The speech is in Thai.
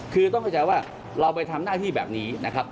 คือต้องเข้าใจว่าเราไปทำหน้าที่แบบนี้นะครับ